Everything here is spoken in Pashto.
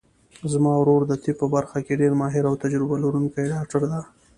زما ورور د طب په برخه کې ډېر ماهر او تجربه لرونکی ډاکټر ده